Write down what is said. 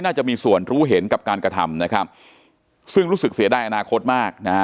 น่าจะมีส่วนหนูเห็นกับการกระทำนะคับรู้สึกเสียใน